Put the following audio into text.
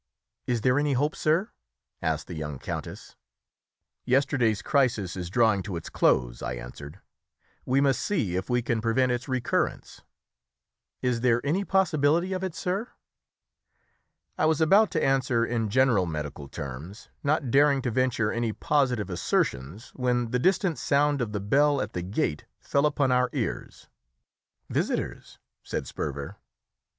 "Is there any hope, sir?" asked the young countess. "Yesterday's crisis is drawing to its close," I answered; "we must see if we can prevent its recurrence." "Is there any possibility of it, sir?" I was about to answer in general medical terms, not daring to venture any positive assertions, when the distant sound of the bell at the gate fell upon our ears. "Visitors," said Sperver.